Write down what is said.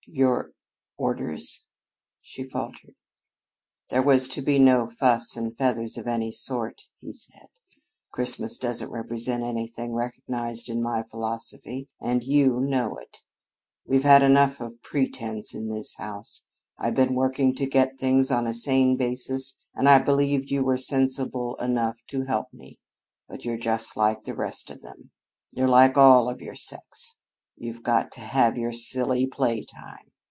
"Your orders?" she faltered. "There was to be no fuss and feathers of any sort," he said. "Christmas doesn't represent anything recognized in my philosophy, and you know it. We've had enough of pretense in this house. I've been working to get things on a sane basis and I believed you were sensible enough to help me. But you're just like the rest of them you're like all of your sex. You've got to have your silly play time.